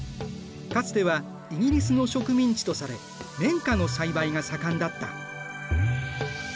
かつてはイギリスの植民地とされ綿花の栽培が盛んだった。